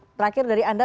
terakhir dari anda